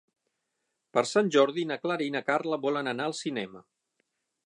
Per Sant Jordi na Clara i na Carla volen anar al cinema.